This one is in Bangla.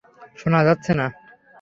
শুনা যাচ্ছে না।